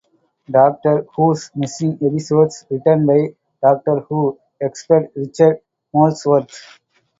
Doctor Who's Missing Episodes", written by "Doctor Who" expert Richard Molesworth.